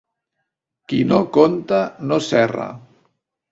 Qui no conta, no s'erra.